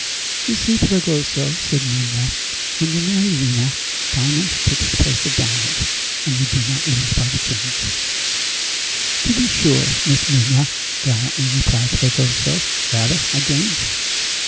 "You see, Fragoso," said Minha, "when you marry Lina, diamond takes the place of diamond, and you do not lose by the change!" "To be sure, Miss Minha," gallantly replied Fragoso; "rather I gain!"